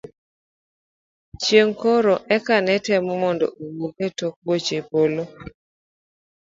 chieng' koro eka netemo mondo owuog e tok boche e polo